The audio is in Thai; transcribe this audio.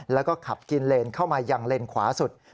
แล้วก็ขับกินเลนเข้ามายังเลนขวาสุด